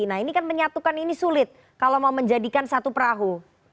nah ini kan menyatukan ini sulit kalau mau menjadikan satu perahu